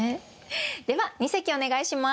では二席お願いします。